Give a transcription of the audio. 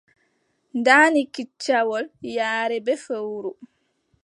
Ndaa ni kiccawol yaare bee fowru.